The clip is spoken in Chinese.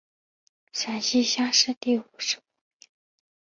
陕西乡试第五十五名。